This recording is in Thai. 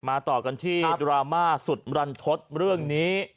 ต่อกันที่ดราม่าสุดรันทศเรื่องนี้